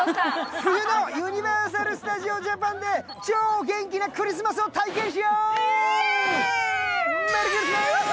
冬のユニバーサル・スタジオ・ジャパンで超元気なクリスマスイベントを体験しよう！